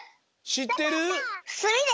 しってる？